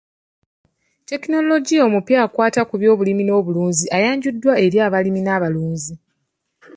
Tekinologiya omupya akwata ku byobulimi n'okulunda ayanjuddwa eri abalimi n'abalunzi.